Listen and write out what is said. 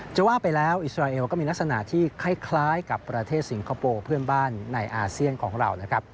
จะว่าไปแล้วอิสราเอลก็มีลักษณะที่คล้ายกับประเทศสิงคโปร์เพื่อนบ้านในอาเซียนของเรานะครับ